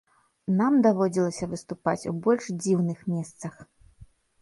Нам даводзілася выступаць у больш дзіўных месцах.